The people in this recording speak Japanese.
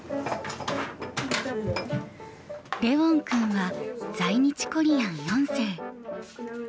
レウォン君は在日コリアン４世。